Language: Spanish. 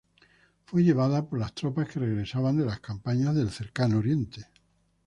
Fue llevada por las tropas que regresaban de las campañas del Cercano Oriente.